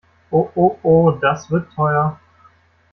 Oh oh oh, das wird teuer!